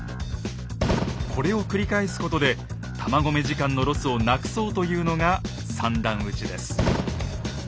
これを繰り返すことで弾込め時間のロスをなくそうというのが三段撃ちです。